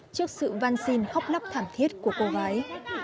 trước sự văn xin khóc lắp thảm thiết của cô gái